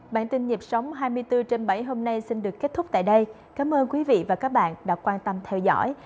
bản tin nhịp sống hai mươi bốn trên bảy hôm nay xin được kết thúc tại đây cảm ơn quý vị và các bạn đã quan tâm theo dõi